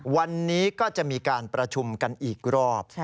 วันนี้ก็จะมีการประชุมกันอีกรอบ